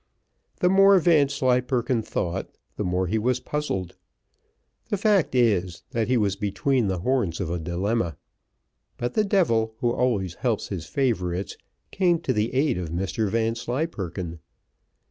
The more Vanslyperken thought, the more he was puzzled. The fact is, that he was between the horns of a dilemma; but the devil, who always helps his favourites, came to the aid of Mr Vanslyperken.